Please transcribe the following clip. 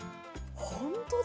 本当だ！